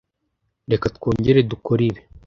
Reka twongere dukore ibi.